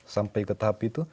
sampai ke tahap itu